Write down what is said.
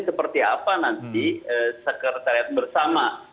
seperti apa nanti sekretariat bersama